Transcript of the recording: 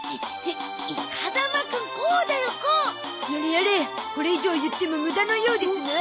やれやれこれ以上言っても無駄のようですな。